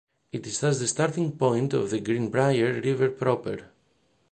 It is thus the starting point of the Greenbrier River proper.